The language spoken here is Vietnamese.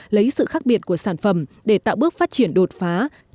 lấy sự khác biệt của sản phẩm để tạo bước phát triển đột phá